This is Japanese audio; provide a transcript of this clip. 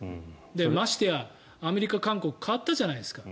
ましてやアメリカ、韓国は変わったじゃないですか。